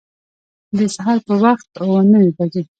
د سهار په وخت اوه نیمي بجي